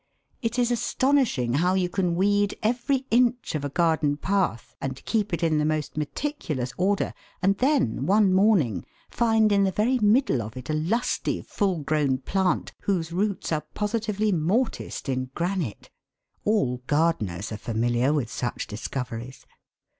It is astonishing how you can weed every inch of a garden path and keep it in the most meticulous order, and then one morning find in the very middle of it a lusty, full grown plant whose roots are positively mortised in granite! All gardeners are familiar with such discoveries.